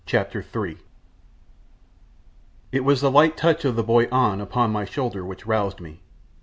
CHAPTER III It was the light touch of the boy An upon my shoulder which roused me.